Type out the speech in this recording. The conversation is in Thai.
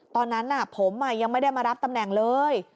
ตอนนั้นผมยังไม่ได้มารับตำแหน่งเลย